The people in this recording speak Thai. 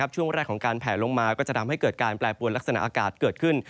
ช่วงแรกของการแผลลงมาก็จะทำให้เกิดการแปรปวนลักษณะอากาศเกิดขึ้น